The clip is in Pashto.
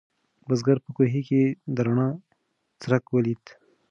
بزګر په کوهي کې د رڼا څرک ولید.